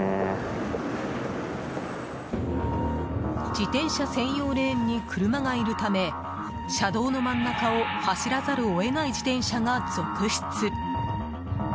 自転車専用レーンに車がいるため車道の真ん中を走らざるを得ない自転車が続出。